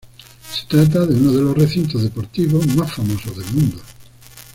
Se trata de uno de los recintos deportivos más famosos del mundo.